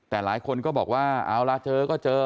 แต่หลายคนก็บอกว่าเอาล่ะเจอก็เจอ